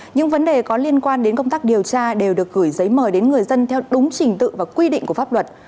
những vấn đề có liên quan đến công tác điều tra đều được gửi giấy mời đến người dân theo đúng trình tự và quy định của pháp luật